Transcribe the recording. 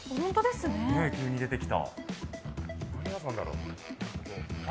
急に出てきた。